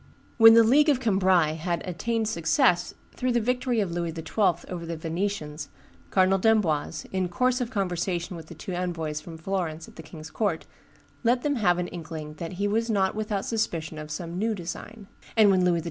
When the League of Cambrai had attained success through the victory of Louis XII. over the Venetians, Cardinal d'Amboise, in course of conversation with the two envoys from Florence at the king's court, let them have an inkling "that he was not without suspicion of some new design;" and when Louis XII.